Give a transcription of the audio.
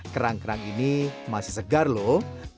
kerang kerang ini masih segar loh